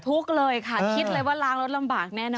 เลยค่ะคิดเลยว่าล้างแล้วลำบากแน่นอ